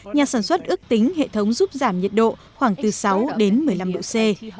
nhà sản xuất ước tính hệ thống giúp giảm nhiệt độ khoảng từ sáu đến một mươi năm độ c